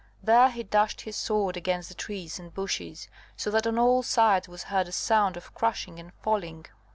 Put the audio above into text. There he dashed his sword against the trees and bushes, so that on all sides was heard a sound of crashing and falling.